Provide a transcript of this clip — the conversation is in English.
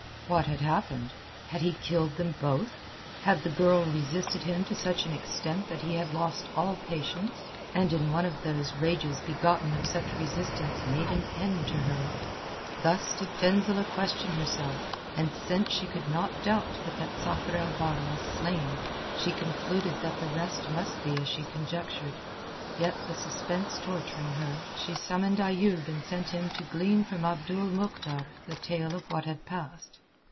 What had happened? Had he killed them both? Had the girl resisted him to such an extent that he had lost all patience and in one of those rages begotten of such resistance made an end of her? Thus did Fenzileh question herself, and since she could not doubt but that Sakr el Bahr was slain, she concluded that the rest must be as she conjectured. Yet, the suspense torturing her, she summoned Ayoub and sent him to glean from Abdul Mohktar the tale of what had passed.